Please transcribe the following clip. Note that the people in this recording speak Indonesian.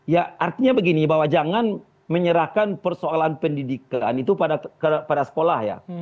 ya artinya begini bahwa jangan menyerahkan persoalan pendidikan itu kepada sekolah ya